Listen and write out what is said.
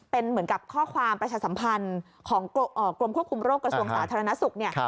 เป็นเหมือนกับข้อความประชาสัมพันธ์ของกรมควบคุมโรคกระทรวงสาธารณสุขเนี่ย